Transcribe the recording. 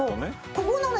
ここのね